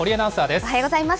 おはようございます。